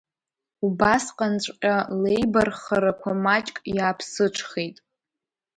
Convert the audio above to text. Убасҟанҵәҟьа леибарххарақәа маҷк иааԥсыҽхеит.